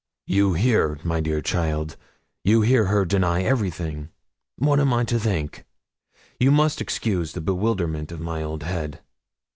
'You hear, my dear child, you hear her deny everything; what am I to think? You must excuse the bewilderment of my old head.